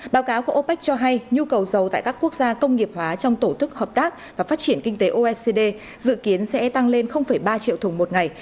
báo cáo của opec cho hay nhu cầu dầu tại các quốc gia công nghiệp hóa trong tổ thức hợp tác và phát triển kinh tế oecd dự kiến sẽ tăng lên ba triệu thùng một ngày